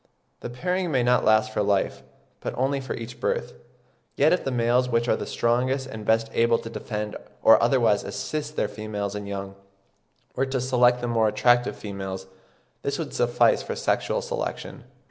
The pairing may not last for life, but only for each birth; yet if the males which are the strongest and best able to defend or otherwise assist their females and young, were to select the more attractive females, this would suffice for sexual selection.